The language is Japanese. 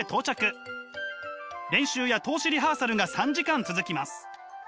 練習や通しリハーサルが３時間続きます。